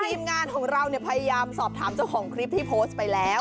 ทีมงานของเราพยายามสอบถามเจ้าของคลิปที่โพสต์ไปแล้ว